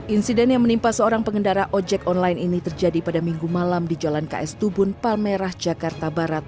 insiden yang menimpa seorang pengendara ojek online ini terjadi pada minggu malam di jalan ks tubun palmerah jakarta barat